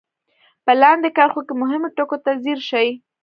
په لاندې کرښو کې مهمو ټکو ته ځير شئ.